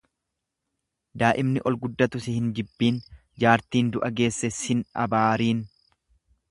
Daa'imni ol guddatu si hin jibbiin jaartiin du'a geesse sin abaariin.